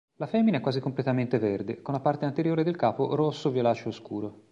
La femmina è quasi completamente verde, con la parte anteriore del capo rosso-violaceo scuro.